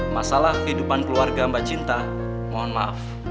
masalah kehidupan keluarga mbak cinta mohon maaf